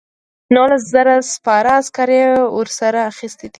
نولس زره سپاره عسکر یې ورسره اخیستي دي.